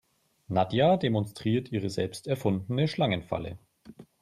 Nadja demonstriert ihre selbst erfundene Schlangenfalle.